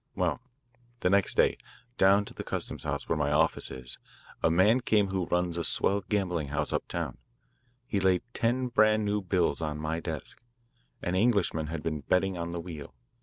"Well, the next day, down to the Custom House, where my office is, a man came who runs a swell gambling house uptown. He laid ten brand new bills on my desk. An Englishman had been betting on the wheel.